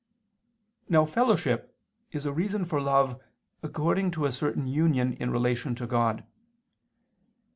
Now fellowship is a reason for love according to a certain union in relation to God.